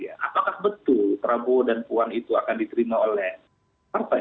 apakah betul prabowo dan puan itu akan diterima oleh partai